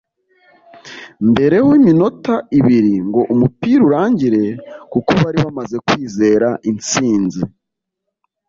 mbereho iminota ibiri ngo umupira urangire kuko bari bamaze kwizera intsinzi